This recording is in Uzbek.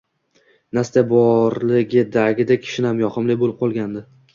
Nastya borligidagidek shinam, yoqimli boʻlib qolgandi.